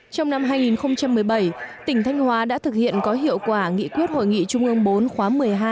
trong năm hai nghìn một mươi bảy tỉnh thanh hóa đã thực hiện có hiệu quả nghị quyết hội nghị trung ương bốn khóa một mươi hai